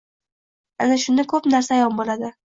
Ana shunda ko`p narsa ayon bo`ladi